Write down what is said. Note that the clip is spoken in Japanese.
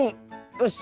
よし！